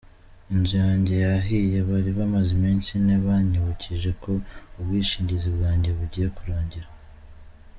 Inzu yanjye yahiye bari bamaze iminsi ine banyibukije ko ubwishingizi bwanjye bugiye kurangira.